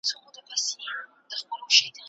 ولسمشر باید د خپلو وعدو عملي کول پیل کړي.